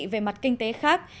về mặt kinh tế khác